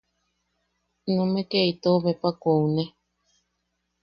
Numeʼe ke itou bepa koune.